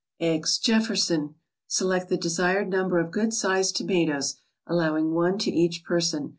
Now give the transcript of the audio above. EGGS JEFFERSON Select the desired number of good sized tomatoes, allowing one to each person.